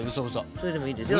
それでもいいですよ